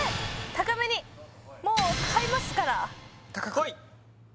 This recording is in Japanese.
高めにもう買いますからこい！